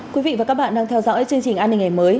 quý vị và các bạn đang theo dõi chương trình an ninh ngày mới